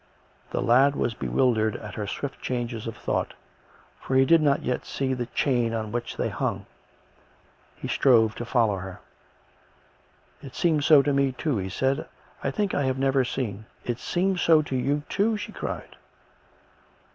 The lad was bewildered at her swift changes of thought, for he did not yet see the chain on which they hung. He strove to follow her. " It seemed so to me too," he said. " I think I have never seen "" It seemed so to you too," she cried.